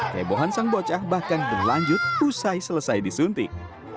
kehebohan sang bocah bahkan berlanjut usai selesai disuntik